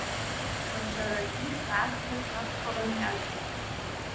Ашарагьы сааҭқәак ракәхарын иагыз.